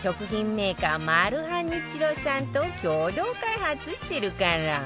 メーカーマルハニチロさんと共同開発してるから